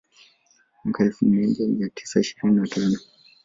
Mwaka elfu moja mia tisa ishirini na tano